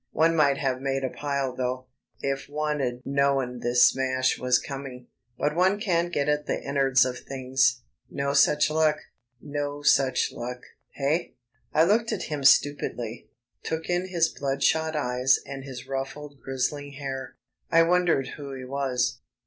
One might have made a pile though, if one'd known this smash was coming. But one can't get at the innards of things. No such luck no such luck, eh?" I looked at him stupidly; took in his blood shot eyes and his ruffled grizzling hair. I wondered who he was.